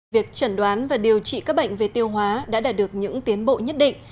việc chẩn đoán và điều trị các bệnh về tiêu hóa đã đạt được những tiến bộ nhất định